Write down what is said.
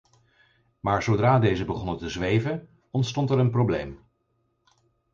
Maar zodra deze begonnen te zweven, ontstond er een probleem.